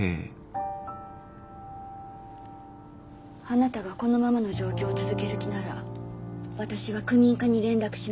あなたがこのままの状況を続ける気なら私は区民課に連絡します。